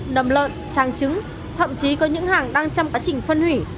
nầm lợn trang trứng thậm chí có những hàng đang trong quá trình phân hủy